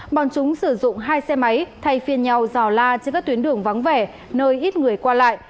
bọn chúng sử dụng hai xe máy thay phiên nhau dò la trên các tuyến đường vắng vẻ nơi ít người qua lại